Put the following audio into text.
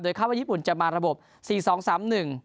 คาดว่าญี่ปุ่นจะมาระบบสี่สองสามหนึ่ง